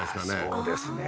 そうですね